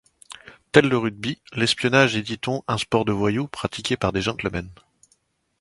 Tel le rugby, l’espionnage est, dit-on, un sport de voyous pratiqué par des gentlemen.